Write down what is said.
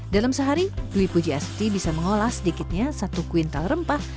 dalam sehari dwi pujiasti bisa mengolah sedikitnya satu kuintal rempah